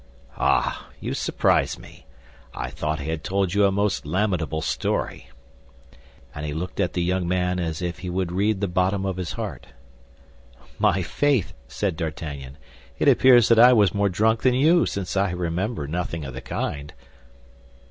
"Ah, you surprise me. I thought I had told you a most lamentable story." And he looked at the young man as if he would read the bottom of his heart. "My faith," said D'Artagnan, "it appears that I was more drunk than you, since I remember nothing of the kind."